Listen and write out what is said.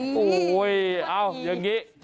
โอ้โฮโอ้โฮอย่างนี้